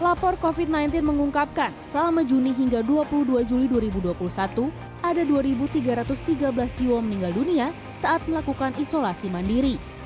lapor covid sembilan belas mengungkapkan selama juni hingga dua puluh dua juli dua ribu dua puluh satu ada dua tiga ratus tiga belas jiwa meninggal dunia saat melakukan isolasi mandiri